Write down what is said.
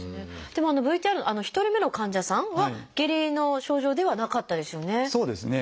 でもＶＴＲの１人目の患者さんは下痢の症状ではなかったですよね。